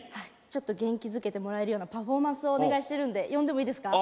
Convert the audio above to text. ちょっと元気づけてもらえるようなパフォーマンスをお願いしてるんで呼んでもいいですか？